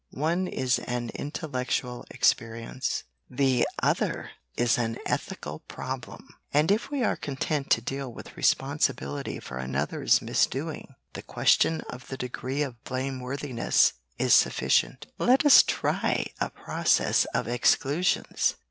One is an intellectual experience, the other is an ethical problem; and if we are content to deal with responsibility for another's misdoing, the question of the degree of blameworthiness is sufficient. Let us try a process of exclusions.